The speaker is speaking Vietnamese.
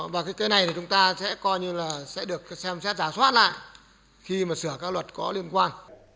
và cái này thì chúng ta sẽ coi như là sẽ được xem xét giả soát lại khi mà sửa các luật có liên quan